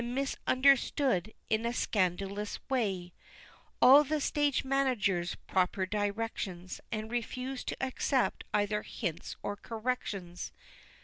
And misunderstood, In a scandalous way, All the stage manager's proper directions, And refused to accept either hints or corrections.